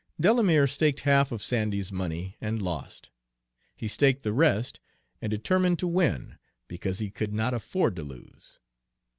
Delamere staked half of Sandy's money, and lost. He staked the rest, and determined to win, because he could not afford to lose.